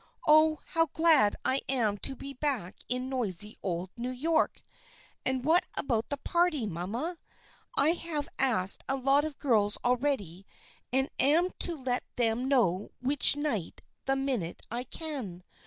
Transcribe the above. Oh, how glad I am to be back in noisy old New York. And what about the party, mamma? I have asked a lot of girls already and am to let them know which night the minute I can.